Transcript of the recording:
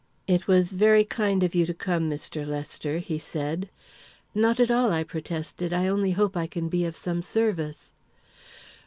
"It was very kind of you to come, Mr. Lester," he said. "Not at all," I protested. "I only hope I can be of some service."